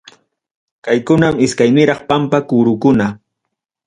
Kaykunam iskayniraq pampa kurukuna.